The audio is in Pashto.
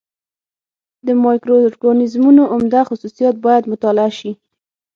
د مایکرو اورګانیزمونو عمده خصوصیات باید مطالعه شي.